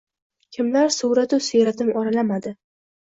kimlar suvratu siyratim oralamadi.